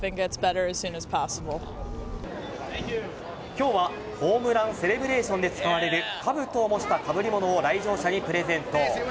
今日はホームランセレブレーションで使われるかぶとを模したかぶりものを来場者にプレゼント。